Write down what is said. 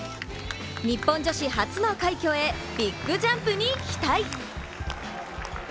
日本女子初の快挙へビッグジャンプに期待。